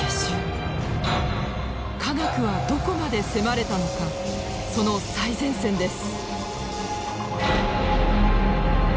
科学はどこまで迫れたのかその最前線です。